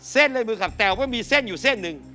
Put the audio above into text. เส้นลายมือขับแต่ว่ามีเส้นอยู่เส้นหนึ่ง